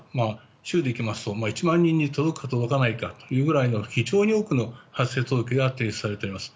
週で言いますと１万人に届くか届かないかという非常に多くの発生届が出ています。